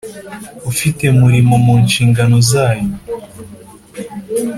ufite murimo mu nshingano zayo